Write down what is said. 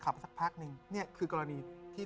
ครับผมอ่ะธรรมดาเราต้องให้คุยเรื่องของกุมาทอง